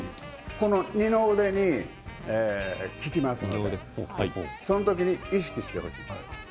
二の腕に効きますのでその時に意識してほしいんです。